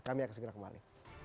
kami akan segera kembali